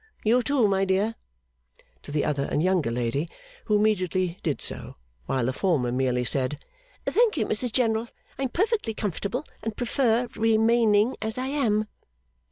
You, too, my dear,' to the other and younger lady, who immediately did so; while the former merely said, 'Thank you, Mrs General, I am Perfectly comfortable, and prefer remaining as I am.